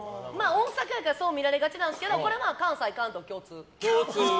大阪やからそう見られがちなんですけどこれは関西・関東共通。